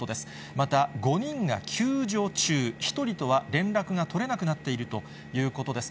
また５人が救助中、１人とは連絡が取れなくなっているということです。